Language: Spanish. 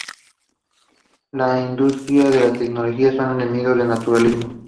La industria y la tecnología son enemigos del naturalismo.